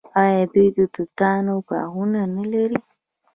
آیا دوی د توتانو باغونه نلري؟